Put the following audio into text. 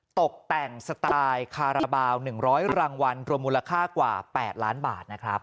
ตกแต่งสไตล์คาราบาล๑๐๐รางวัลรวมมูลค่ากว่า๘ล้านบาทนะครับ